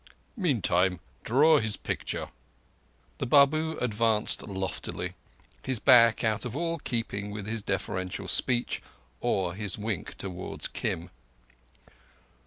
Meantime, draw his picture." The Babu advanced loftily; his back out of all keeping with his deferential speech, or his wink towards Kim.